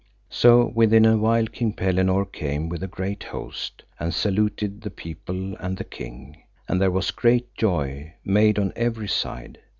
So within a while King Pellinore came with a great host, and saluted the people and the king, and there was great joy made on every side.